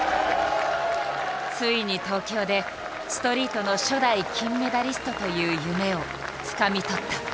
ついに東京でストリートの初代金メダリストという夢をつかみ取った。